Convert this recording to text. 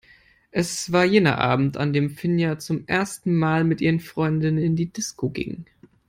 Es war jener Abend, an dem Finja zum ersten Mal mit ihren Freundinnen in die Disco ging.